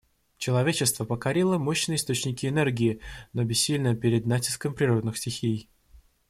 Человечество покорило мощные источники энергии, но бессильно перед натиском природных стихий.